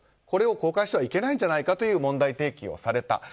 これを公開してはいけないんじゃないかという問題提起をされた。